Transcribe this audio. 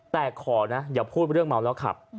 แต่ขอนะอย่าพูดเรื่องเมาแล้วขับ